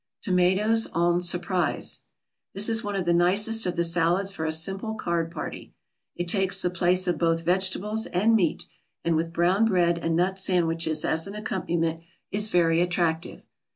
TOMATOES EN SURPRISE This is one of the nicest of the salads for a simple card party. It takes the place of both vegetables and meat, and with brown bread and nut sandwiches as an accompaniment, is very attractive.